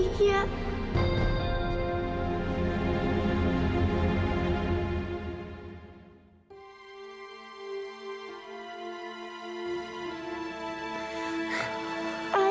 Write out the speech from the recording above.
dia punya tatu itu